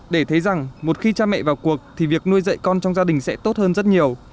để thấy rằng một khi cha mẹ vào cuộc thì việc nuôi dậy con trong gia đình sẽ tốt hơn rất nhiều